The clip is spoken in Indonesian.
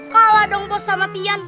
kalah dong bos sama tian